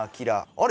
あれ？